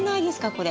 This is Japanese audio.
これ。